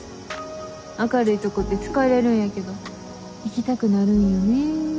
明るいとこって疲れるんやけど行きたくなるんよね。